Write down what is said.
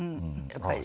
やっぱり。